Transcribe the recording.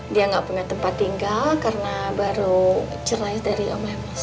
dia nggak punya tempat tinggal karena baru cerai dari om emas